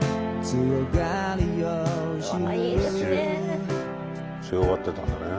強がってたんだね。